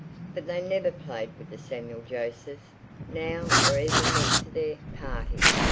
But they never played with the Samuel Josephs now or even went to their parties.